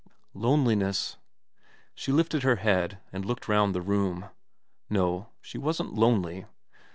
Loneliness. She lifted her head and looked round the room. No, she wasn't lonely.